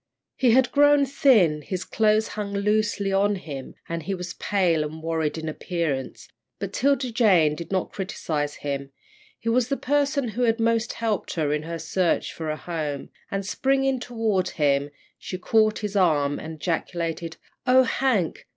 He had grown thin; his clothes hung loosely on him, and he was pale and worried in appearance, but 'Tilda Jane did not criticise him. He was the person who had most helped her in her search for a home, and, springing toward him, she caught his arm and ejaculated: "Oh, Hank!